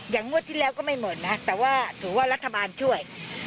งวดที่แล้วก็ไม่หมดนะแต่ว่าถือว่ารัฐบาลช่วย